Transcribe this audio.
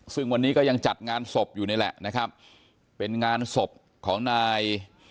ซึ่งวันนี้ก็ยังจัดงานศพอยู่นี่แหละนะครับเป็นงานศพของนาย